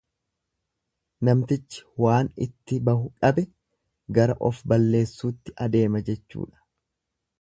Namtichi waan itti bahu dhabe gara of balleessuutti adeema jechuudha.